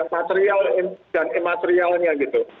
material dan imaterialnya gitu